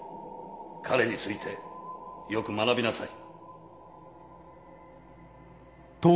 彼に付いてよく学びなさい。